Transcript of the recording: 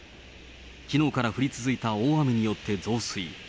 きのうから降り続いた大雨によって増水。